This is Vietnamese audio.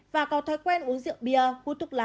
và có thói quen uống rượu bia hút thuốc lá